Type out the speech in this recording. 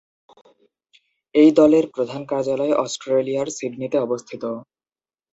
এই দলের প্রধান কার্যালয় অস্ট্রেলিয়ার সিডনিতে অবস্থিত।